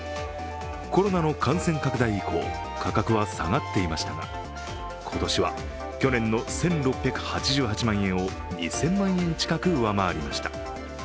コロナの感染拡大以降、価格は下がっていましたが、今年は去年の１６８８万円を２０００万円近く上回りました。